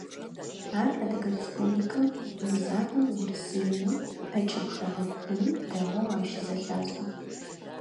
Ар Адыгэ Республикэм имызакъоу Урысыеми, ӏэкӏыб хэгъэгухэми дэгъоу ащызэлъашӏэ.